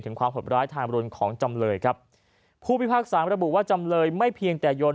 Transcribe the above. ความหดร้ายทามรุนของจำเลยครับผู้พิพากษาระบุว่าจำเลยไม่เพียงแต่โยน